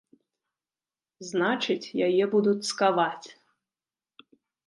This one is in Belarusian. Значыць, яе будуць цкаваць.